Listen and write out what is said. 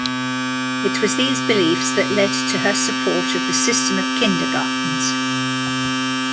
It was these beliefs that led to her support of the system of kindergartens.